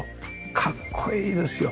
かっこいいですよ。